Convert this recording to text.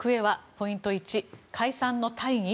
ポイント１、解散の大義？